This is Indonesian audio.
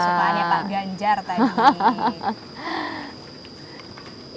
sukaannya pak ganjar tadi